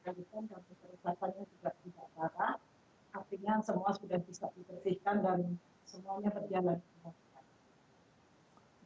artinya semua sudah bisa dikresihkan dan semuanya berjalan normal